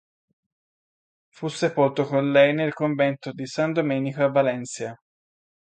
Fu sepolto con lei nel convento di San Domenico a Valencia.